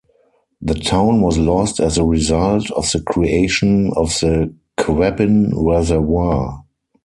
The town was lost as a result of the creation of the Quabbin Reservoir.